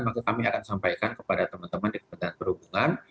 maka kami akan sampaikan kepada teman teman di kementerian perhubungan